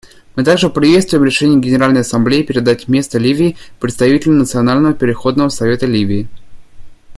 Мы также приветствуем решение Генеральной Ассамблеи передать место Ливии представителям Национального переходного совета Ливии.